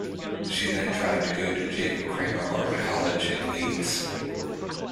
She then tried to go to Jacob Kramer Art College in Leeds.